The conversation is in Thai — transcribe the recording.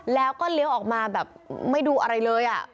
แล้วก็เลี้ยวออกมาแบบไม่ดูอะไรเลย